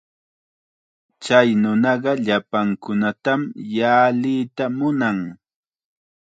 Chay nunaqa llapankunatam llalliya munan.